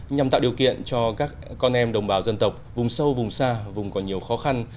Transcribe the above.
nhằm tạo điều kiện cho các con em đồng bào dân tộc vùng sâu vùng xa vùng còn nhiều khó khăn